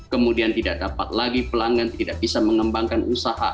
kemudian tidak dapat lagi pelanggan tidak bisa mengembangkan usaha